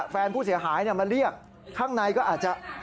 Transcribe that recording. แฟนผู้เสียหายมาเรียกข้างในก็อาจจะ